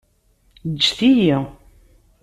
Ǧǧet-iyi!